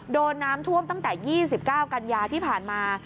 โดนน้ำท่วมตั้งแต่๒๙กันยาที่ผ่านมา